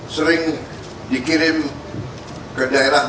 sering dikirim ke daerah